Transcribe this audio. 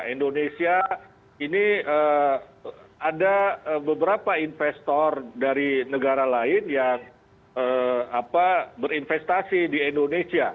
indonesia ini ada beberapa investor dari negara lain yang berinvestasi di indonesia